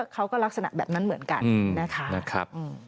ลักษณะแบบนั้นเหมือนกันนะคะ